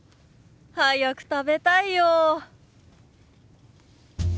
早く食べたいよ。